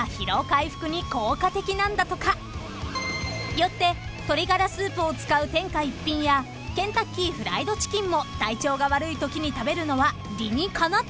［よって鶏ガラスープを使う天下一品やケンタッキーフライドチキンも体調が悪いときに食べるのは理にかなっているそうです］